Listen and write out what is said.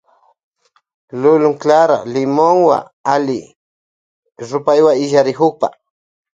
Lulun clara limonwa alli rupaywan illarinakukpa.